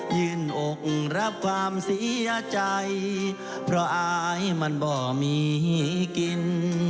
ื่นอกรับความเสียใจเพราะอายมันบ่มีกิน